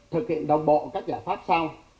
thực hiện đồng bộ các giải pháp sau